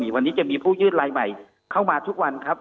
วันนี้จะมีผู้ยืดลายใหม่เข้ามาทุกวันครับ